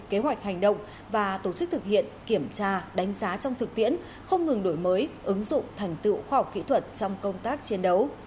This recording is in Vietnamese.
kế hoạch hành động và tổ chức thực hiện kiểm tra đánh giá trong thực tiễn không ngừng đổi mới ứng dụng thành tựu khoa học kỹ thuật trong công tác chiến đấu